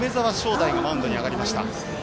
大がマウンドに上がりました。